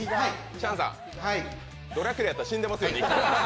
チャンさん、ドラキュラやったら死んでますよ。